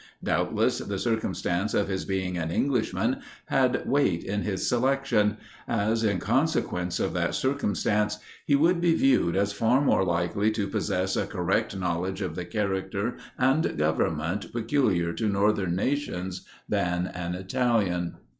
Doubtless, the circumstance of his being an Englishman had weight in his selection; as, in consequence of that circumstance, he would be viewed as far more likely to possess a correct knowledge of the character and government peculiar to northern nations than an Italian.